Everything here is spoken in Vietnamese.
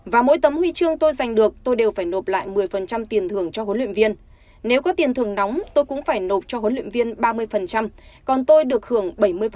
và mỗi tấm huy chương tôi giành được tôi đều phải nộp lại một mươi tiền thưởng cho huấn luyện viên nếu có tiền thưởng nóng tôi cũng phải nộp cho huấn luyện viên ba mươi còn tôi được hưởng bảy mươi